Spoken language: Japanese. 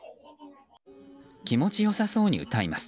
気持ちよさそうに歌います。